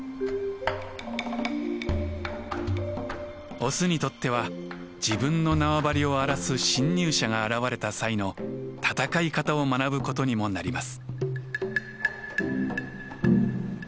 オスにとっては自分の縄張りを荒らす侵入者が現れた際の戦い方を学ぶことにもなります。